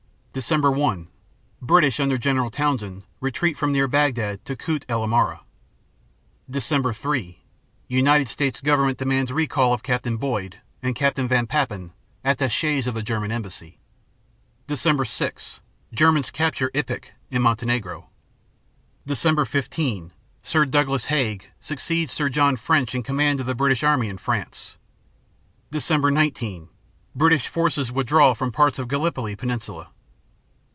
Dec. 1 British under Gen. Townshend retreat from near Bagdad to Kut el Amara. Dec. 3 United States Government demands recall of Capt. Boy Ed and Capt. von Papen, attachés of the German embassy. Dec. 6 Germans capture Ipek, in Montenegro. Dec. 15 Sir Douglas Haig succeeds Sir John French in command of the British army in France. Dec. 19 British forces withdraw from parts of Gallipoli peninsula.